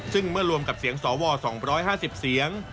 ซึ่งเมื่อรวมกับเสียงสอวสองบร้อยห้าสิบเสียง